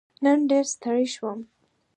نن ډېر ستړی شوم